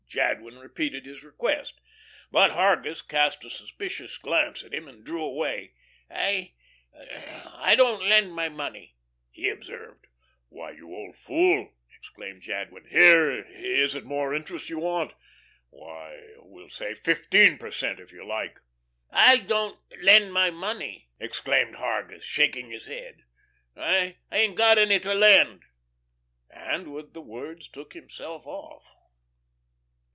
Jadwin repeated his request. But Hargus cast a suspicious glance at him and drew away. "I I don't lend my money," he observed. "Why you old fool," exclaimed Jadwin. "Here, is it more interest you want? Why, we'll say fifteen per cent., if you like." "I don't lend my money," exclaimed Hargus, shaking his head. "I ain't got any to lend," and with the words took himself off.